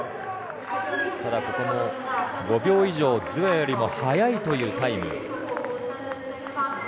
ここも５秒以上、ズエワよりも早いというタイム。